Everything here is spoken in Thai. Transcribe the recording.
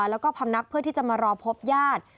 แล้วก็พำนักเพื่อที่จะมารอพบญาติ